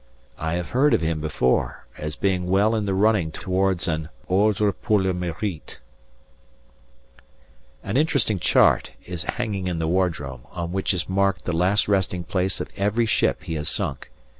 I have heard of him before as being well in the running towards an ordre pour le mérite. An interesting chart is hanging in the wardroom, on which is marked the last resting place of every ship he has sunk.